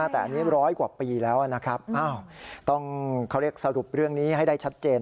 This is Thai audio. แต่อันนี้๑๐๐กว่าปีแล้วต้องเข้าเรียกสรุปหาเรื่องนี้ให้ได้ชัดเจน